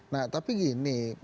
nah tapi gini